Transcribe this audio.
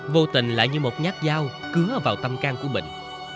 vô tình lại như một nhát dao cứa vào tâm can của bình